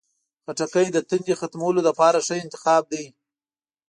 خټکی د تندې ختمولو لپاره ښه انتخاب دی.